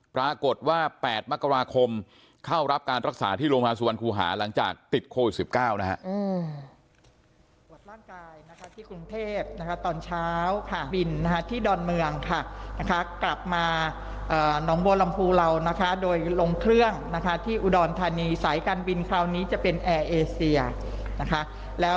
ปรากฏว่าแปดมักกราคมเข้ารับการรักษาที่โรงพยาสุวรรณคูหา